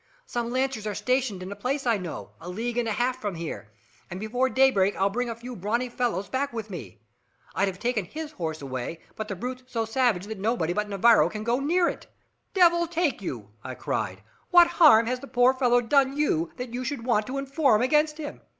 Some lancers are stationed in a place I know, a league and a half from here, and before daybreak I'll bring a few brawny fellows back with me. I'd have taken his horse away, but the brute's so savage that nobody but Navarro can go near it." "Devil take you!" I cried. "What harm has the poor fellow done you that you should want to inform against him?